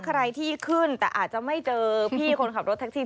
ใครที่ขึ้นแต่อาจจะไม่เจอพี่คนขับรถแท็กซี่